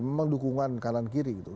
memang dukungan kanan kiri gitu